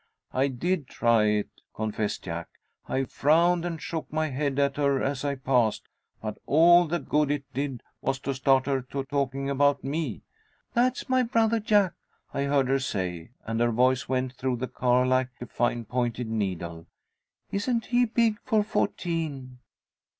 "I did try it," confessed Jack. "I frowned and shook my head at her as I passed, but all the good it did was to start her to talking about me. 'That's my brother Jack,' I heard her say, and her voice went through the car like a fine pointed needle. 'Isn't he big for fourteen?